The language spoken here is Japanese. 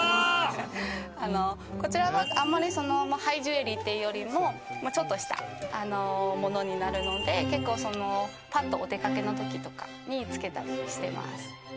こちらは、あまりハイジュエリーというよりちょっとしたものになるので結構、パッとお出かけの時とかに着けたりしてます。